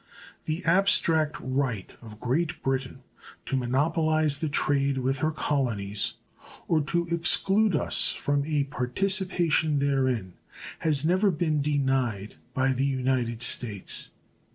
The abstract right of Great Britain to monopolize the trade with her colonies or to exclude us from a participation therein has never been denied by the United States.